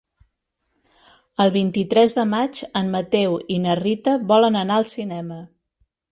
El vint-i-tres de maig en Mateu i na Rita volen anar al cinema.